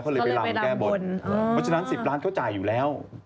ก็เลยไปลำแก้บนเพราะฉะนั้น๑๐ล้านเขาจ่ายอยู่แล้ว